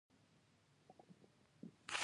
افغانستان د غوښې د تولید یو ښه کوربه دی.